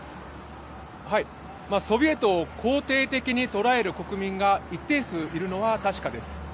ソビエトを肯定的に捉える国民が一定数いるのは確かです。